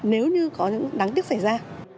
nếu như có những đáng tiếc xảy ra